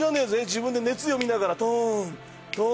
自分で熱読みながらトントン。